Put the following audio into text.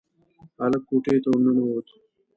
هلک کوټې ته ورننوت.